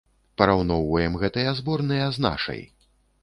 Параўноўваем гэтыя зборныя з нашай.